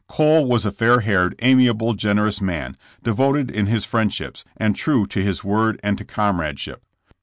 Cole was a fair haired, amiable, generous man, devoted in his friendships, and true to his word and to comradeship.